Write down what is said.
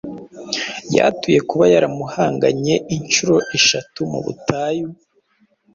yatuye Kuba yaramuhanganye inshuro eshatu mu butayu;